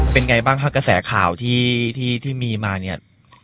เป็นไงบ้างคะกระแสข่าวที่มีมาเนี่ย